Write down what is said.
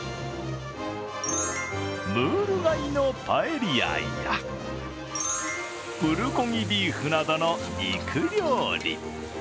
ムール貝のパエリアや、プルコギビーフなどの肉料理。